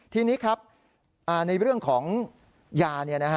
ทีนี้ครับในเรื่องของยา